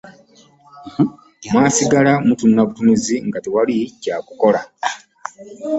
Mwasigala kutunula butunuzi nga tewali kya kukola.